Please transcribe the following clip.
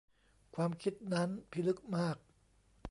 ความคิดนั้นพิลึกมาก